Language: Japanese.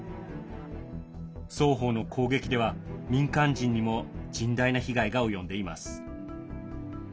双方の攻撃では民間人にも甚大な被害が及んでいます。